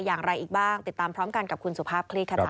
อย่างไรอีกบ้างติดตามพร้อมกันกับคุณสุภาพคลี่ขจา